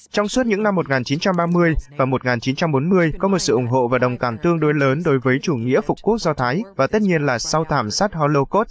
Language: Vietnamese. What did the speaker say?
trong suốt những năm một nghìn chín trăm ba mươi và một nghìn chín trăm bốn mươi có một sự ủng hộ và đồng cảm tương đối lớn đối với chủ nghĩa phục quốc do thái và tất nhiên là sau thảm sát holokod